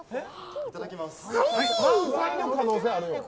いただきます。